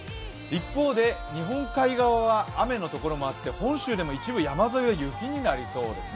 一方で、日本海側は雨の所もあって本州でも一部山沿いは雪になりそうです。